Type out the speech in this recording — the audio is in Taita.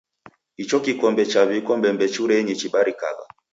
Icho kikombe chaw'ikwa mbembechurenyi chibarikagha!